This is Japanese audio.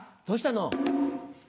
どうしたの？